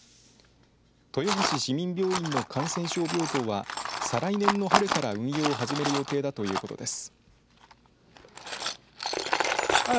豊橋市民病院の感染病棟は再来年の春から運用を始める予定だということです。